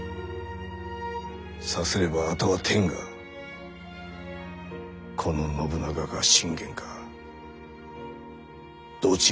さすればあとは天がこの信長か信玄かどちらを選ぶかじゃ。